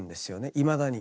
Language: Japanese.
いまだに。